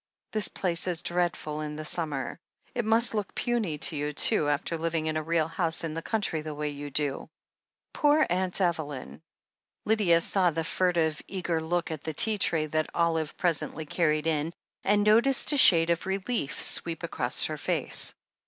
This place is dreadful in the siunmer. It must look puny to you, too, after living in a real house in the country the way you do." Poor Aunt Evelyn ! Lydia saw the furtive, eager look at the tea tray THE HEEL OF ACHILLES 333 that Olive presently carried in, and noticed a shade of relief sweep across her face.